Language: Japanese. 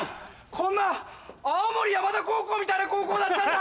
こんな青森山田高校みたいな高校だったんだ！